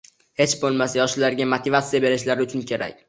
Hech boʻlmasa yoshlarga motivatsiya boʻlishlari uchun kerak